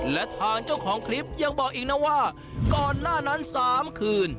และทางเจ้าของคลิปยังบอกอีกนะว่าก่อนหน้านั้น๓คืน